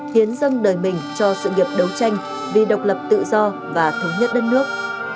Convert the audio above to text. hiến dâng đời mình cho sự nghiệp đấu tranh vì độc lập tự do và thống nhất đất nước